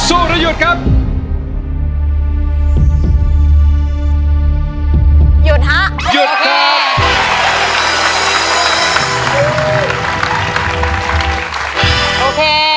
โอเค